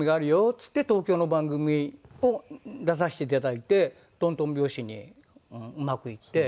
っつって東京の番組を出させていただいてとんとん拍子にうまくいって。